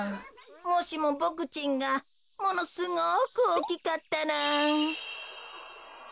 もしもボクちんがものすごくおおきかったら。